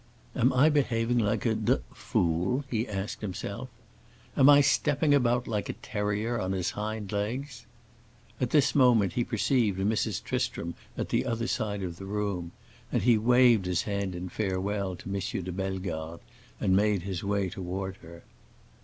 "Am I behaving like a d—d fool?" he asked himself. "Am I stepping about like a terrier on his hind legs?" At this moment he perceived Mrs. Tristram at the other side of the room, and he waved his hand in farewell to M. de Bellegarde and made his way toward her.